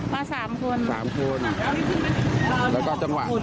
พอจะกลับรถมันเหมือนแบบ